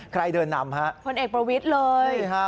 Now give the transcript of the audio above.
ใครเดินนำฮะคุณเอกประวิทย์เลยใช่ฮะ